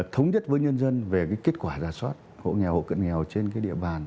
thống nhất với nhân dân về kết quả giả soát hộ nghèo hộ cận nghèo trên địa bàn